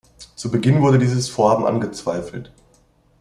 Zu Beginn wurde dieses Vorhaben angezweifelt.